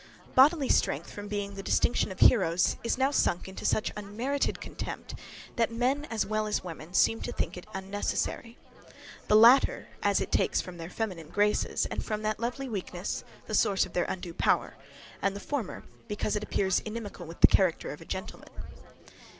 Bodily strength from being the distinction of heroes is now sunk into such unmerited contempt, that men as well as women, seem to think it unnecessary: the latter, as it takes from their feminine graces, and from that lovely weakness, the source of their undue power; and the former, because it appears inimical with the character of a gentleman.